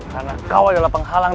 karena kau adalah penghalang